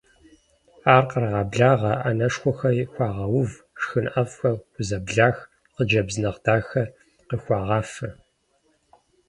Ар кърагъэблагъэ, ӏэнэшхуэхэр хуагъэув, шхын ӏэфӏхэр хузэблах, хъыджэбз нэхъ дахэхэр къыхуагъафэ.